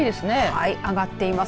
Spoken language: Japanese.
はい、上がっています。